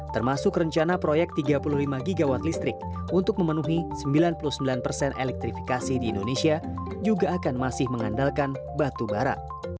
termasuk rencana proyek tiga puluh lima gw listrik untuk memenuhi sembilan puluh sembilan persen elektrifikasi di indonesia juga akan masih mengandalkan batu bara